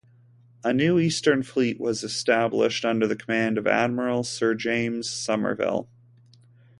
A new Eastern Fleet was established under the command of Admiral Sir James Somerville.